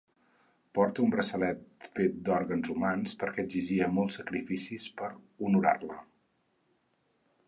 Porta un braçalet fet d'òrgans humans perquè exigia molts sacrificis per honorar-la.